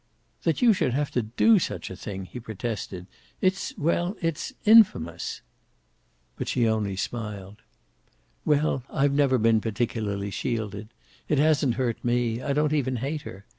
"That you should have to do such a thing!" he protested. "It's well, it's infamous." But she only smiled. "Well, I've never been particularly shielded. It hasn't hurt me. I don't even hate her.